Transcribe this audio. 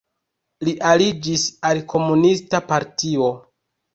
Li aliĝis al komunista partio.